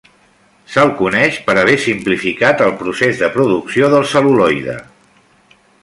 Se'l coneix per haver simplificat el procés de producció del cel·luloide.